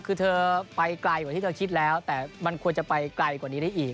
คือเธอไปไกลกว่าที่เธอคิดแล้วแต่มันควรจะไปไกลกว่านี้ได้อีก